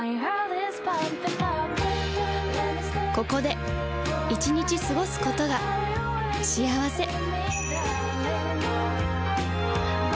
ここで１日過ごすことが幸せ